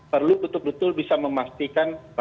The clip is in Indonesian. perlu betul betul bisa memastikan